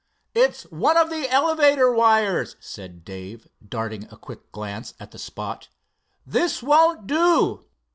"It's one of the elevator wires," said Dave, darting a quick glance at the spot. "This won't do."